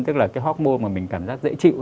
tức là cái hotmo mà mình cảm giác dễ chịu